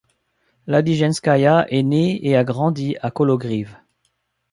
Ladyzhenskaya est née et a grandi à Kologriv.